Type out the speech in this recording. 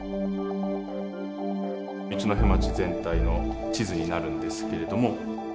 一戸町全体の地図になるんですけれども。